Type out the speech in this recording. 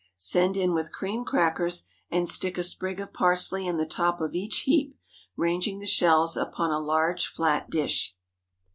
Send in with cream crackers, and stick a sprig of parsley in the top of each heap, ranging the shells upon a large flat dish.